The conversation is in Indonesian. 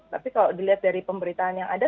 tapi kalau dilihat dari pemberitaan yang ada